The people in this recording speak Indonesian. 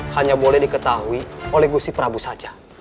hanya boleh diketahui oleh gusi prabu saja